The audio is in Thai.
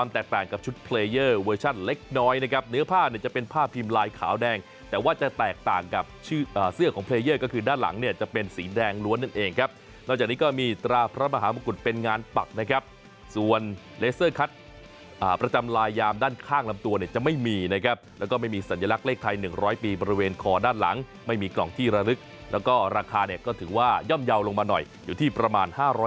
แต่เสื้อของเลเยอร์ก็คือด้านหลังเนี่ยจะเป็นสีแดงล้วนนั่นเองครับนอกจากนี้ก็มีตราพระมหามงกุฎเป็นงานปักนะครับส่วนเลเซอร์คัดประจำลายยามด้านข้างลำตัวเนี่ยจะไม่มีนะครับแล้วก็ไม่มีสัญลักษณ์เลขไทย๑๐๐ปีบริเวณคอด้านหลังไม่มีกล่องที่ระลึกแล้วก็ราคาเนี่ยก็ถือว่าย่อมเยาว์ลงมาหน่อยอยู่ที่ประมาณ๕๐๐